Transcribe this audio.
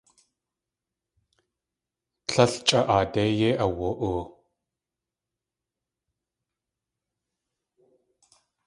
Tlél chʼa aadé yéi awu.oo.